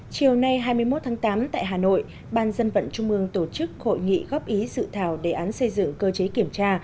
chiều nay hai mươi một tháng tám tại hà nội ban dân vận trung ương tổ chức hội nghị góp ý sự thảo đề án xây dựng cơ chế kiểm tra